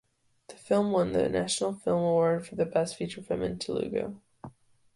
The film won the National Film Award for Best Feature Film in Telugu.